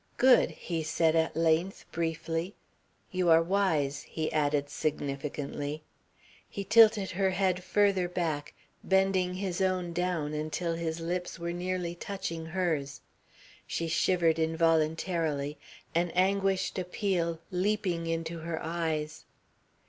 "Good!" he said at length briefly. "You are wise," he added significantly. He tilted her head further back, bending his own down until his lips were nearly touching hers. She shivered involuntarily, an anguished appeal leaping into her eyes.